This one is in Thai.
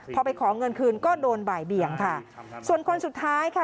พอไปขอเงินคืนก็โดนบ่ายเบี่ยงค่ะส่วนคนสุดท้ายค่ะ